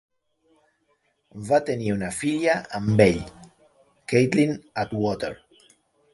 Va tenir una filla amb ell, Caitlin Atwater.